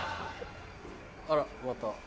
あらまた。